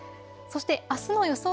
そして、あすの予想